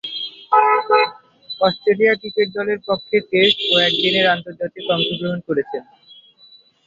Australia cricket দলের পক্ষে test ও একদিনের আন্তর্জাতিকে অংশগ্রহণ করেছেন।